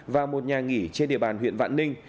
và một nhà nghỉ trên địa bàn huyện vạn ninh